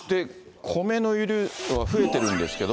米の輸入量は増えてるんですけど。